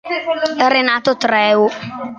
Renato Treu